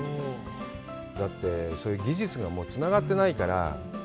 だって、そういう技術がつながってないから。